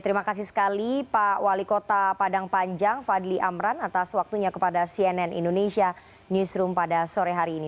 terima kasih sekali pak wali kota padang panjang fadli amran atas waktunya kepada cnn indonesia newsroom pada sore hari ini